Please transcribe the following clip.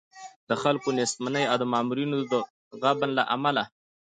د خلکو د نېستمنۍ او د مامورینو د غبن له امله.